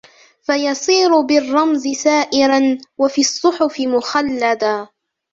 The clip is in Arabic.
فَيَصِيرُ بِالرَّمْزِ سَائِرًا وَفِي الصُّحُفِ مُخَلَّدًا